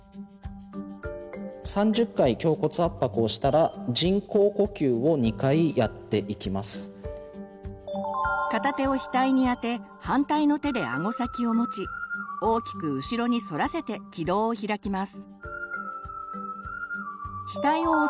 ３０回胸骨圧迫をしたら片手を額にあて反対の手であご先を持ち大きく後ろに反らせて気道を開きます。